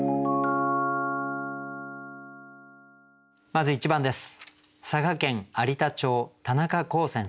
まず１番です。